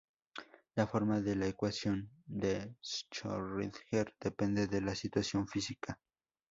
La forma de la ecuación de Schrödinger depende de la situación física.